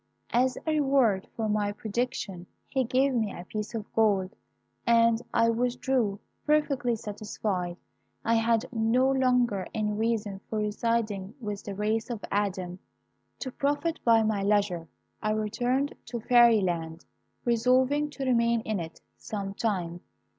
As a reward for my prediction, he gave me a piece of gold, and I withdrew, perfectly satisfied. I had no longer any reason for residing with the race of Adam. To profit by my leisure, I returned to Fairyland, resolving to remain in it some time.